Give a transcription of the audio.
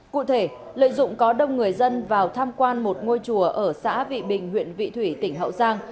cụ thể lợi dụng có đông người dân vào tham quan một ngôi chùa ở xã vị bình huyện vị thủy tỉnh hậu giang